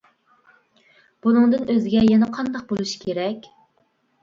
بۇنىڭدىن ئۆزگە يەنە قانداق بولۇشى كېرەك.